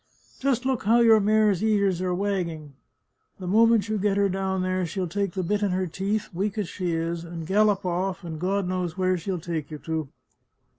" Just look how your mare's ears are wagging ! The moment you get her down there she'll take the bit in her teeth, weak as she is, and gallop off, and God knows where she'll take you to